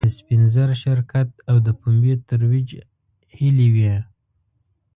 د سپین زر شرکت او د پومبې ترویج هلې وې.